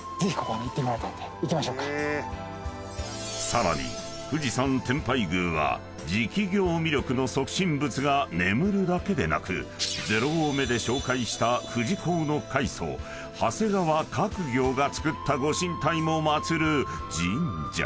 ［さらに冨士山天拝宮は食行身禄の即身仏が眠るだけでなく０合目で紹介した富士講の開祖長谷川角行が作ったご神体も祭る神社］